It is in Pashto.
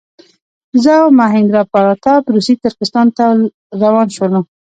زه او مهیندراپراتاپ روسي ترکستان ته روان شولو.